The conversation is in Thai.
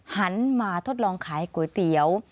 หันมาทดลองขายก๋วยเตี๋ยว